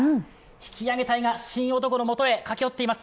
引き上げ隊が神男のもとへ駆け寄っています。